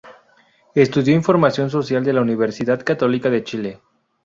Estudió información social de la Universidad Católica de Chile.